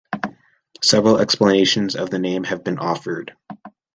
Several explanations of the name have been offered.